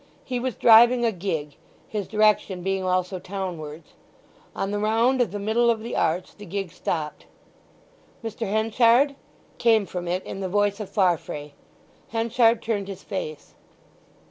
He was driving a gig, his direction being also townwards. On the round of the middle of the arch the gig stopped. "Mr. Henchard?" came from it in the voice of Farfrae. Henchard turned his face.